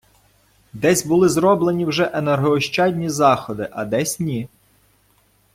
Десь були зроблені вже енергоощадні заходи, а десь - ні.